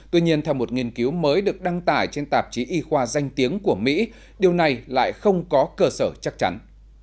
tuy nhiên theo một nghiên cứu mới được đăng tải trên tạp chí y khoa danh tiếng của mỹ điều này lại không có cơ sở chắc chắn